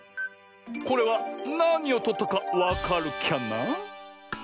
これはなにをとったかわかるキャな？